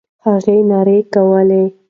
هغې ناره کوله.